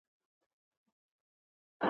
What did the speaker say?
هر بدلون پرمختیا نه ګڼل کیږي.